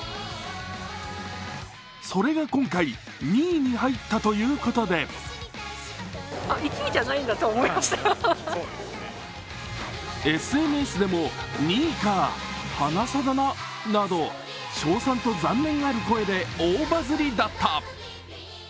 それが今回、２位に入ったということでＳＮＳでも２位か、鼻差など、称賛と残念がる声で大バズりだった。